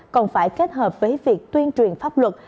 còn phải kết hợp với việc tuyên truyền pháp luật